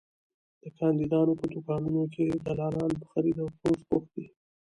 د کاندیدانو په دوکانونو کې دلالان په خرید او فروش بوخت دي.